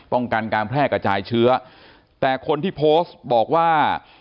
กันการแพร่กระจายเชื้อแต่คนที่โพสต์บอกว่า